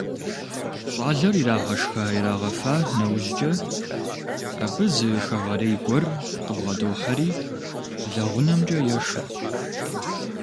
ЩӀалэр ирагъэшха-ирагъэфа нэужькӀэ, абы зы хэгъэрей гуэр къыбгъэдохьэри лэгъунэмкӀэ ешэ.